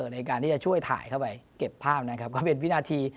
ในการที่จะช่วยถ่ายเข้าไปเก็บภาพนะครับก็เป็นวินาที